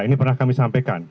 ini pernah kami sampaikan